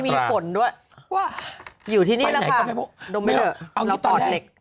ตอนนี้มีฝนด้วยอยู่ที่นี่ล่ะค่ะดมไม่เหลือเราปอดเหล็ก